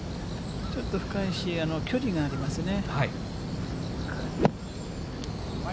ちょっと深いし、距離がありますね。